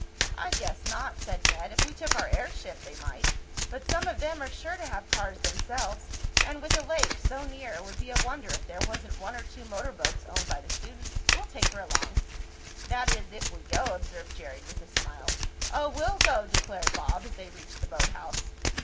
"I guess not," said Ned. "If we took our airship they might. But some of them are sure to have cars themselves, and with the lake so near it would be a wonder if there wasn't one or two motor boats owned by the students. We'll take her along." "That is, if we go," observed Jerry with a smile. "Oh, we'll go!" declared Bob, as they reached the boathouse.